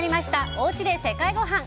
おうちで世界ごはん。